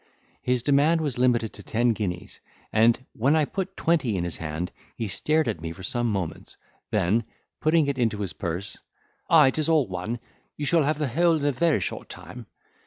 His demand was limited to ten guineas; and when I put twenty in his hand, he stared at me for some moments; then, putting it into his purse, "Ay,—'tis all one—you shall have the whole in a very short time."